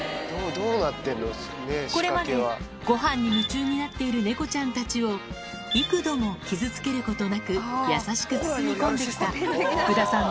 これまで、ごはんに夢中になっている猫ちゃんたちを、幾度も傷つけることなく、優しく包み込んできた、福田さん